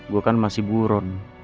saya kan masih buron